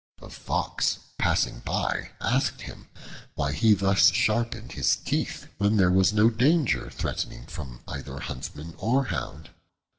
A Fox passing by asked him why he thus sharpened his teeth when there was no danger threatening from either huntsman or hound.